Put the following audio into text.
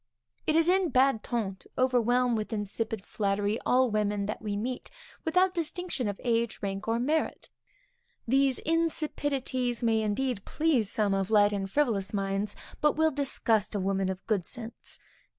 It is in bad ton to overwhelm with insipid flattery all women that we meet, without distinction of age, rank or merit. These insipidities may indeed please some of light and frivolous minds, but will disgust a woman of good sense.